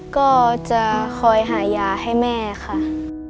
ก็จะคอยหายาให้แม่ค่ะ